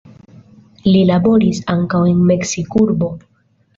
Li laboris ankaŭ en Meksikurbo.